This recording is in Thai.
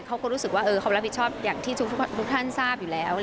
เขาก็รู้สึกว่าเขารับผิดชอบอย่างที่ทุกท่านทราบอยู่แล้ว